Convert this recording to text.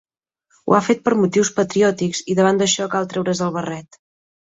Ho ha fet per motius patriòtics, i davant d'això cal treure's el barret.